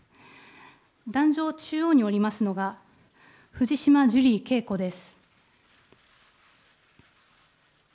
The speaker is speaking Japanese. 檀上中央におりますのが、藤島ジュリー景子です。